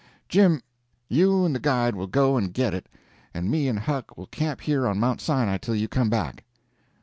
Jim, you and the guide will go and get it, and me and Huck will camp here on Mount Sinai till you come back."